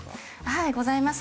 はいございます。